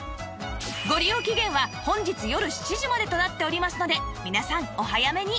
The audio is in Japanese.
ご利用期限は本日よる７時までとなっておりますので皆さんお早めに